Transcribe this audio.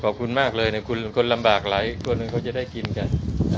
ขอบคุณมากเลยคนลำบากหลายคนเขาจะได้กินกัน